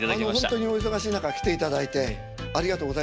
本当にお忙しい中来ていただいてありがとうございました。